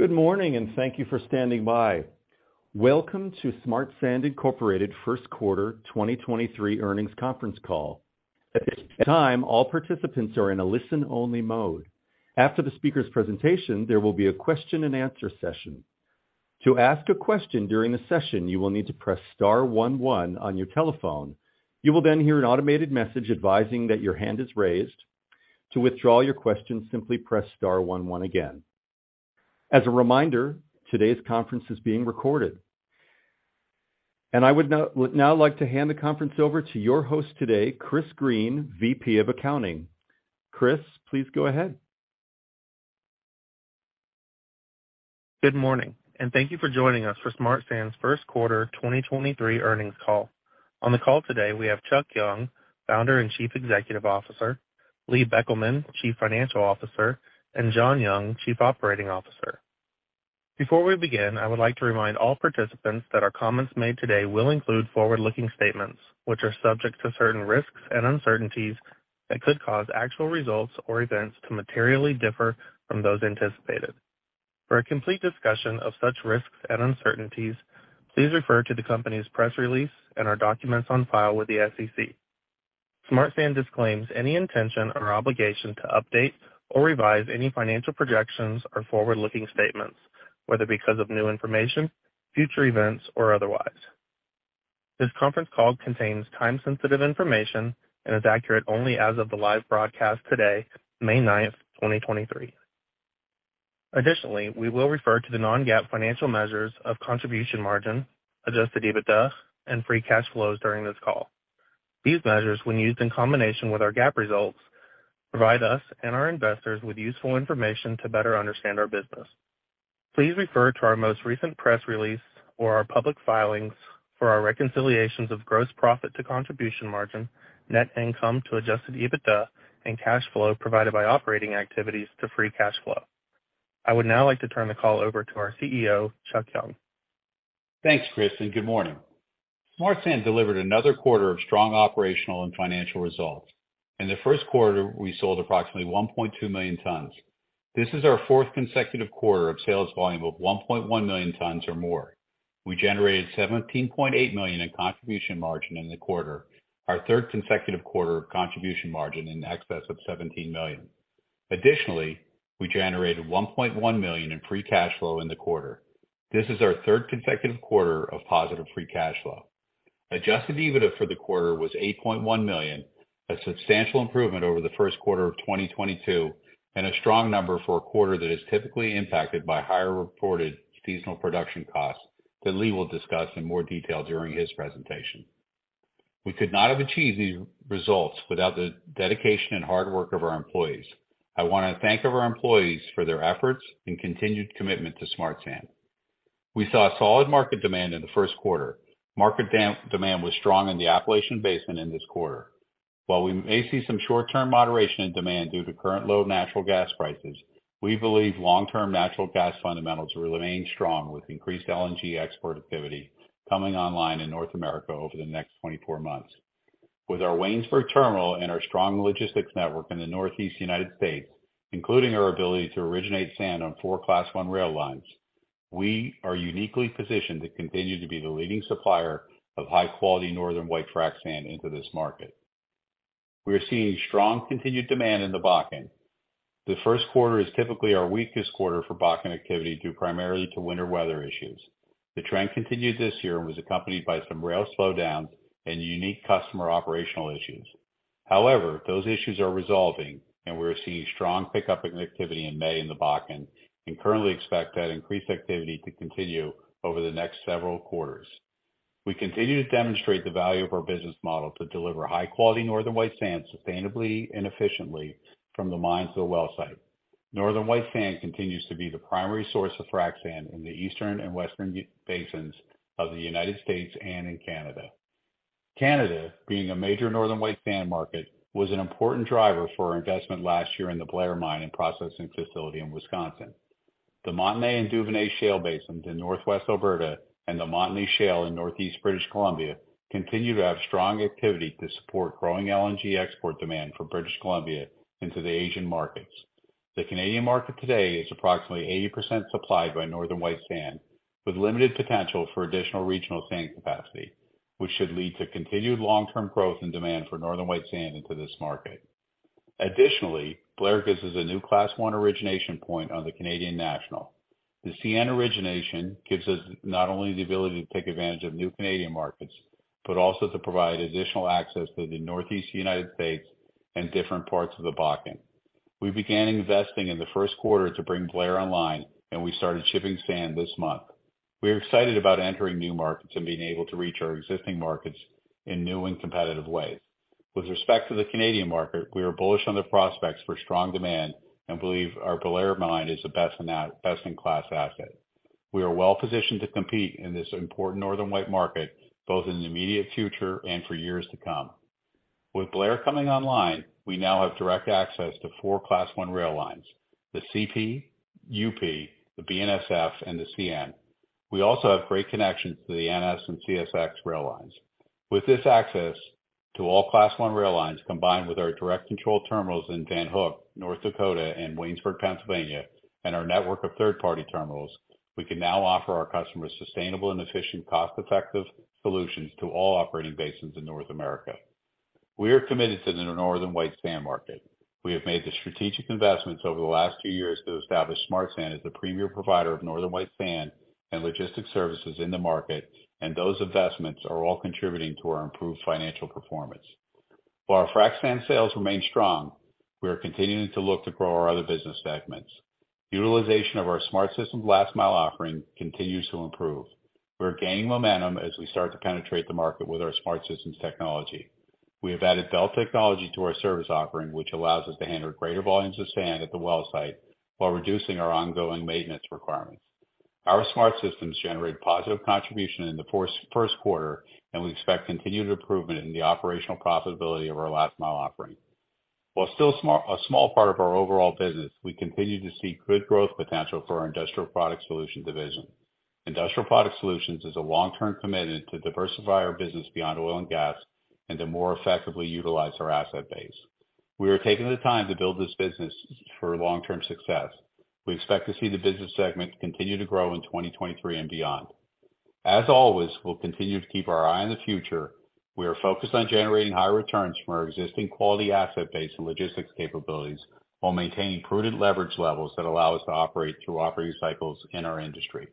Good morning. Thank you for standing by. Welcome to Smart Sand, Inc. Q1 2023 Earnings Conference Call. At this time, all participants are in a listen-only mode. After the speaker's presentation, there will be a question-and-answer session. To ask a question during the session, you will need to press star one one on your telephone. You will then hear an automated message advising that your hand is raised. To withdraw your question, simply press star one one again. As a reminder, today's conference is being recorded. I would now like to hand the conference over to your host today, Chris Green, VP of Accounting. Chris, please go ahead. Good morning, and thank you for joining us for Smart Sand's Q1 2023 earnings call. On the call today, we have Chuck Young, founder and Chief Executive Officer, Lee Beckelman, Chief Financial Officer, and John Young, Chief Operating Officer. Before we begin, I would like to remind all participants that our comments made today will include forward-looking statements, which are subject to certain risks and uncertainties that could cause actual results or events to materially differ from those anticipated. For a complete discussion of such risks and uncertainties, please refer to the company's press release and our documents on file with the SEC. Smart Sand disclaims any intention or obligation to update or revise any financial projections or forward-looking statements, whether because of new information, future events, or otherwise. This conference call contains time-sensitive information and is accurate only as of the live broadcast today, May ninth, 2023. Additionally, we will refer to the non-GAAP financial measures of contribution margin, Adjusted EBITDA, and Free Cash Flows during this call. These measures, when used in combination with our GAAP results, provide us and our investors with useful information to better understand our business. Please refer to our most recent press release or our public filings for our reconciliations of gross profit to contribution margin, net income to Adjusted EBITDA, and cash flow provided by operating activities to Free Cash Flow. I would now like to turn the call over to our CEO, Chuck Young. Thanks, Chris. Good morning. Smart Sand delivered another quarter of strong operational and financial results. In the Q1, we sold approximately 1.2 million tons. This is our fourth consecutive quarter of sales volume of 1.1 million tons or more. We generated $17.8 million in contribution margin in the quarter, our third consecutive quarter of contribution margin in excess of $17 million. Additionally, we generated $1.1 million in free cash flow in the quarter. This is our third consecutive quarter of positive free cash flow. Adjusted EBITDA for the quarter was $8.1 million, a substantial improvement over the Q1 of 2022 and a strong number for a quarter that is typically impacted by higher reported seasonal production costs that Lee will discuss in more detail during his presentation. We could not have achieved these results without the dedication and hard work of our employees. I wanna thank our employees for their efforts and continued commitment to Smart Sand, Inc. We saw solid market demand in the Q1. Market demand was strong in the Appalachian Basin in this quarter. While we may see some short-term moderation in demand due to current low natural gas prices, we believe long-term natural gas fundamentals will remain strong with increased LNG export activity coming online in North America over the next 24 months. With our Waynesburg terminal and our strong logistics network in the Northeast United States, including our ability to originate sand on 4 Class I rail lines, we are uniquely positioned to continue to be the leading supplier of high-quality Northern White frac sand into this market. We are seeing strong continued demand in the Bakken. The Q1 is typically our weakest quarter for Bakken activity, due primarily to winter weather issues. The trend continued this year and was accompanied by some rail slowdowns and unique customer operational issues. However, those issues are resolving, and we are seeing strong pickup in activity in May in the Bakken and currently expect that increased activity to continue over the next several quarters. We continue to demonstrate the value of our business model to deliver high-quality Northern White sand sustainably and efficiently from the mine to the well site. Northern White sand continues to be the primary source of frac sand in the Eastern and Western basins of the United States and in Canada. Canada, being a major Northern White sand market, was an important driver for our investment last year in the Blair Mine and processing facility in Wisconsin. The Montney and Duvernay shale basins in Northwest Alberta and the Montney Shale in Northeast British Columbia continue to have strong activity to support growing LNG export demand for British Columbia into the Asian markets. The Canadian market today is approximately 80% supplied by Northern White Sand, with limited potential for additional regional sand capacity, which should lead to continued long-term growth and demand for Northern White Sand into this market. Blair gives us a new Class I origination point on the Canadian National. The CN origination gives us not only the ability to take advantage of new Canadian markets, but also to provide additional access to the Northeast U.S. and different parts of the Bakken. We began investing in the Q1 to bring Blair online, and we started shipping sand this month. We are excited about entering new markets and being able to reach our existing markets in new and competitive ways. With respect to the Canadian market, we are bullish on the prospects for strong demand and believe our Blair Mine is the best-in-class asset. We are well positioned to compete in this important Northern White market, both in the immediate future and for years to come. With Blair coming online, we now have direct access to four Class I rail lines, the CP, UP, the BNSF, and the CN. We also have great connections to the NS and CSX rail lines. With this access to all Class I rail lines, combined with our direct control terminals in Van Hook, North Dakota, and Waynesburg, Pennsylvania, and our network of third-party terminals, we can now offer our customers sustainable and efficient, cost-effective solutions to all operating basins in North America. We are committed to the Northern White sand market. We have made the strategic investments over the last two years to establish Smart Sand as the premier provider of Northern White sand and logistics services in the market. Those investments are all contributing to our improved financial performance. While our frac sand sales remain strong, we are continuing to look to grow our other business segments. Utilization of our SmartSystems last mile offering continues to improve. We're gaining momentum as we start to penetrate the market with our SmartSystems technology. We have added belt technology to our service offering, which allows us to handle greater volumes of sand at the well site while reducing our ongoing maintenance requirements. Our SmartSystems generated positive contribution in the Q1. We expect continued improvement in the operational profitability of our last mile offering. While still a small part of our overall business, we continue to see good growth potential for our Industrial Product Solutions division. Industrial Product Solutions is a long-term commitment to diversify our business beyond oil and gas and to more effectively utilize our asset base. We are taking the time to build this business for long-term success. We expect to see the business segment continue to grow in 2023 and beyond. As always, we'll continue to keep our eye on the future. We are focused on generating high returns from our existing quality asset base and logistics capabilities while maintaining prudent leverage levels that allow us to operate through operating cycles in our industry.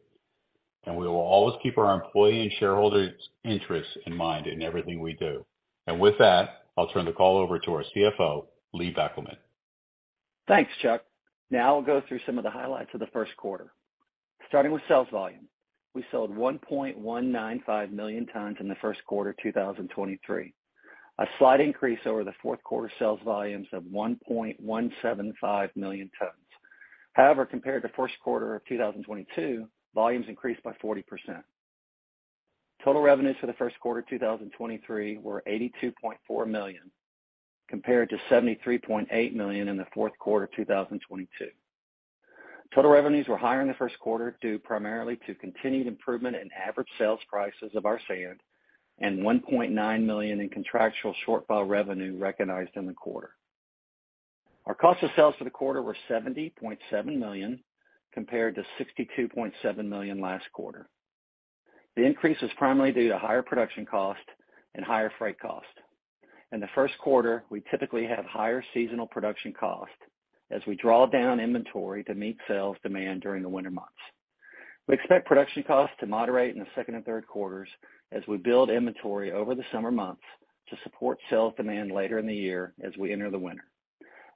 We will always keep our employee and shareholders' interests in mind in everything we do. With that, I'll turn the call over to our CFO, Lee Beckelman. Thanks, Chuck. I'll go through some of the highlights of the Q1. Starting with sales volume. We sold 1.195 million tons in the Q1 of 2023, a slight increase over the Q4 sales volumes of 1.175 million tons. Compared to Q1 of 2022, volumes increased by 40%. Total revenues for the Q1 2023 were $82.4 million, compared to $73.8 million in the Q4 of 2022. Total revenues were higher in the Q1, due primarily to continued improvement in average sales prices of our sand and $1.9 million in contractual shortfall revenue recognized in the quarter. Our cost of sales for the quarter were $70.7 million, compared to $62.7 million last quarter. The increase was primarily due to higher production cost and higher freight cost. In the Q1, we typically have higher seasonal production cost as we draw down inventory to meet sales demand during the winter months. We expect production costs to moderate in the Q2 and Q3 as we build inventory over the summer months to support sales demand later in the year as we enter the winter.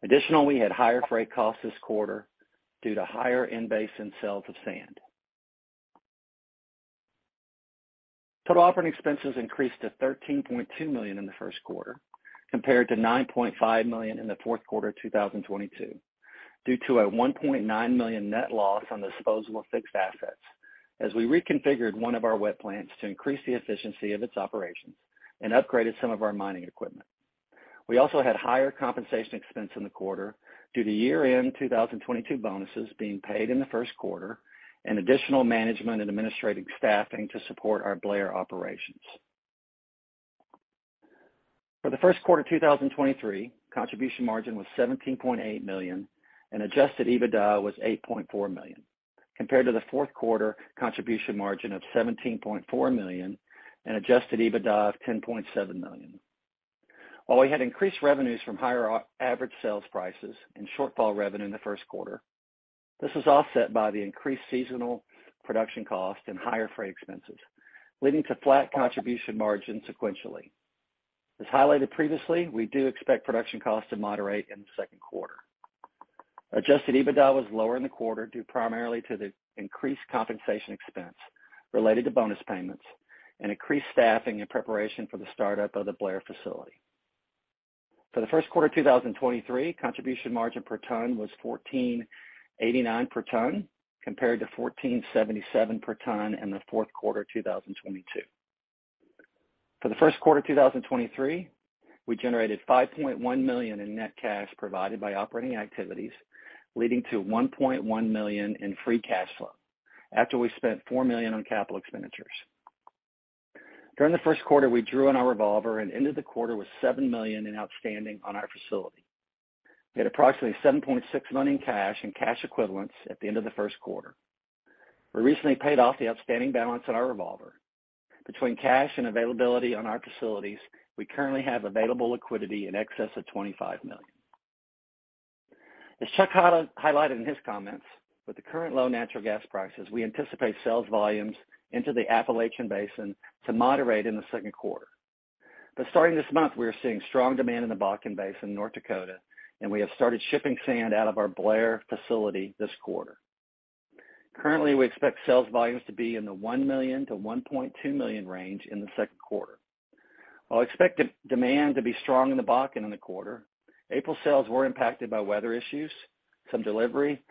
Additionally, we had higher freight costs this quarter due to higher in-basin sales of sand. Total operating expenses increased to $13.2 million in the Q1, compared to $9.5 million in the Q4 of 2022, due to a $1.9 million net loss on disposable fixed assets as we reconfigured one of our wet plants to increase the efficiency of its operations and upgraded some of our mining equipment. We also had higher compensation expense in the quarter due to year-end 2022 bonuses being paid in the Q1 and additional management and administrative staffing to support our Blair operations. For the Q1 2023, contribution margin was $17.8 million and Adjusted EBITDA was $8.4 million, compared to the Q4 contribution margin of $17.4 million and Adjusted EBITDA of $10.7 million. We had increased revenues from higher average sales prices and shortfall revenue in the Q1, this was offset by the increased seasonal production cost and higher freight expenses, leading to flat contribution margin sequentially. Highlighted previously, we do expect production costs to moderate in the Q2. Adjusted EBITDA was lower in the quarter, due primarily to the increased compensation expense related to bonus payments and increased staffing in preparation for the startup of the Blair facility. For the Q1 2023, contribution margin per ton was $14.89 per ton, compared to $14.77 per ton in the Q4 of 2022. For the Q1 of 2023, we generated $5.1 million in net cash provided by operating activities, leading to $1.1 million in free cash flow after we spent $4 million on capital expenditures. During the Q1, we drew on our revolver and ended the quarter with $7 million in outstanding on our facility. We had approximately $7.6 million in cash and cash equivalents at the end of the Q1. We recently paid off the outstanding balance on our revolver. Between cash and availability on our facilities, we currently have available liquidity in excess of $25 million. As Chuck highlighted in his comments, with the current low natural gas prices, we anticipate sales volumes into the Appalachian Basin to moderate in the Q2. Starting this month, we are seeing strong demand in the Bakken Basin in North Dakota, and we have started shipping sand out of our Blair facility this quarter. Currently, we expect sales volumes to be in the 1 million-1.2 million range in the Q2. While we expect demand to be strong in the Bakken in the quarter, April sales were impacted by weather issues, some delivery,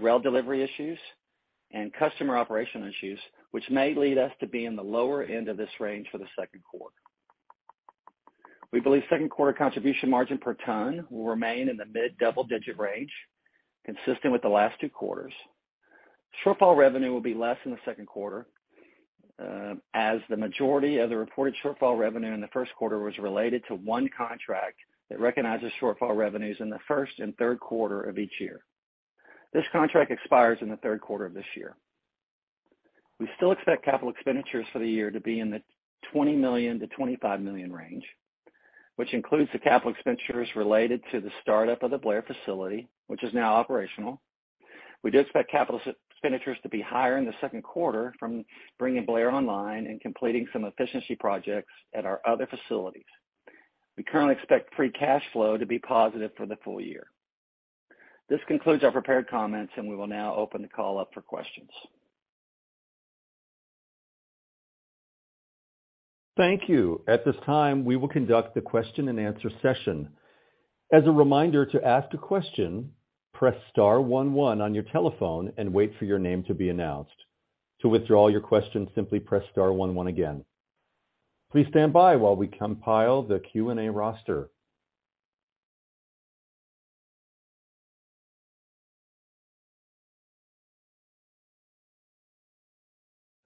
rail delivery issues, and customer operation issues, which may lead us to be in the lower end of this range for the Q2. We believe Q2 contribution margin per ton will remain in the mid-double digit range, consistent with the last two quarters. Shortfall revenue will be less in the Q2, as the majority of the reported shortfall revenue in the Q1 was related to 1 contract that recognizes shortfall revenues in the first and Q3 of each year. This contract expires in the Q3 of this year. We still expect capital expenditures for the year to be in the $20 million-$25 million range, which includes the capital expenditures related to the startup of the Blair facility, which is now operational. We do expect capital expenditures to be higher in the Q2 from bringing Blair online and completing some efficiency projects at our other facilities. We currently expect free cash flow to be positive for the full year. This concludes our prepared comments, and we will now open the call up for questions. Thank you. At this time, we will conduct the question-and-answer session. As a reminder, to ask a question, press star one one on your telephone and wait for your name to be announced. To withdraw your question, simply press star one one again. Please stand by while we compile the Q&A roster.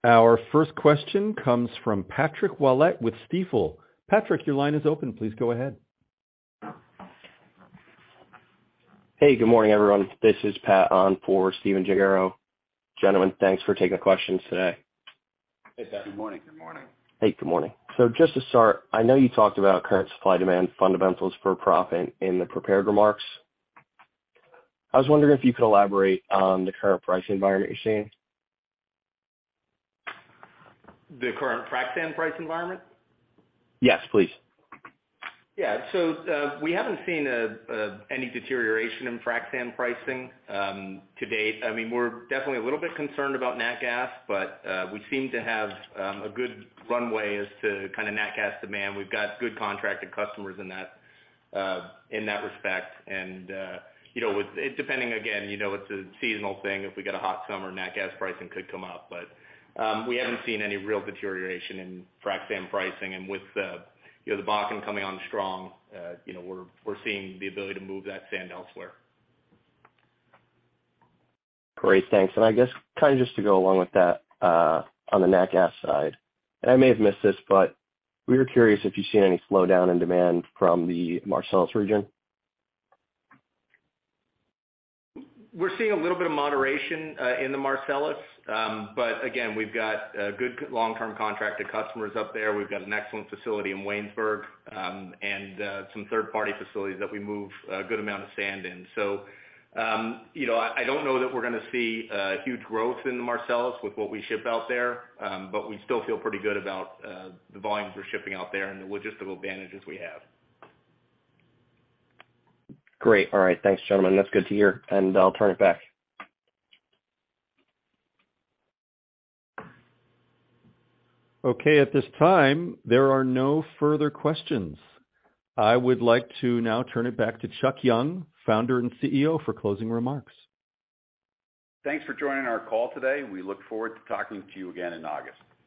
Our first question comes from Patrick Ouellette with Stifel. Patrick, your line is open. Please go ahead. Hey, good morning, everyone. This is Pat on for Stephen Gengaro. Gentlemen, thanks for taking the questions today. Hey, Pat. Good morning. Good morning. Good morning. Just to start, I know you talked about current supply demand fundamentals for proppant in the prepared remarks. I was wondering if you could elaborate on the current price environment you're seeing. The current frac sand price environment? Yes, please. Yeah. We haven't seen any deterioration in frac sand pricing to date. I mean, we're definitely a little bit concerned about nat gas. We seem to have a good runway as to kinda nat gas demand. We've got good contracted customers in that in that respect. You know, depending again, you know, it's a seasonal thing. If we get a hot summer, nat gas pricing could come up. We haven't seen any real deterioration in frac sand pricing. With the, you know, the Bakken coming on strong, you know, we're seeing the ability to move that sand elsewhere. Great. Thanks. I guess kinda just to go along with that, on the nat gas side, and I may have missed this, but we were curious if you've seen any slowdown in demand from the Marcellus region? We're seeing a little bit of moderation in the Marcellus. Again, we've got good long-term contracted customers up there. We've got an excellent facility in Waynesburg, and some third-party facilities that we move a good amount of sand in. You know, I don't know that we're gonna see huge growth in the Marcellus with what we ship out there, but we still feel pretty good about the volumes we're shipping out there and the logistical advantages we have. Great. All right. Thanks, gentlemen. That's good to hear. I'll turn it back. Okay. At this time, there are no further questions. I would like to now turn it back to Chuck Young, Founder and CEO, for closing remarks. Thanks for joining our call today. We look forward to talking to you again in August.